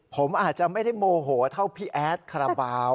ผมอาจจะไม่ได้โมโหเท่าพี่แอดคาราบาล